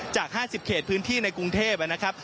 จาก๕๐เขตพื้นที่ในกรุงเทพนะครับ